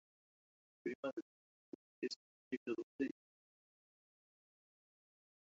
Las Interfaces de ordenador son suficientemente complejas cuando son tratadas de este modo.